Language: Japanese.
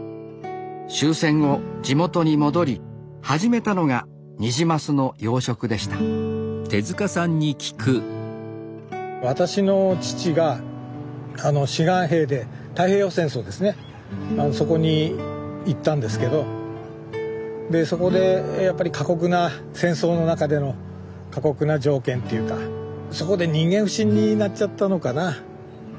終戦後地元に戻り始めたのがニジマスの養殖でした私の父が志願兵で太平洋戦争ですねそこに行ったんですけどでそこでやっぱり過酷な戦争の中での過酷な条件っていうかそこで人間不信になっちゃったのかな。